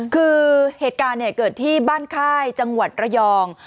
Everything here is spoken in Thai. คือเหตุการณ์เกิดที่บ้านค่ายจังหวัดระยอง